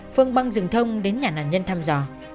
phương băng rừng thông đến nhà nạn nhân thăm dò